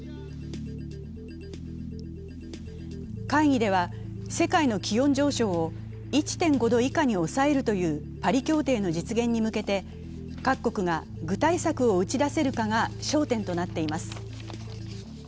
会議では、世界の気温上昇を１．５度以下に抑えるというパリ協定の実現に向けて各国が具体策を打ち出せるかが焦点となっています。